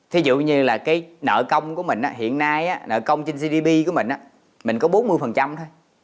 ví dụ như là cái nợ công của mình hiện nay nợ công trên gdp của mình mình có bốn mươi phần trăm thôi